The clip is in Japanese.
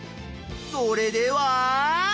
それでは。